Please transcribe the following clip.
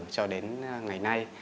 cho đến ngày nay